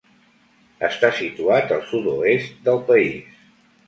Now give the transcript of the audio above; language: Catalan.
Està situat al sud-oest del país.